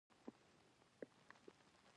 د مشرانو خدمت او احترام د برکت لامل دی.